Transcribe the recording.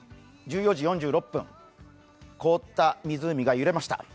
１４時４６分、凍った湖が揺れました。